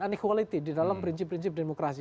uniquality di dalam prinsip prinsip demokrasi